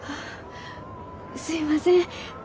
あすいません。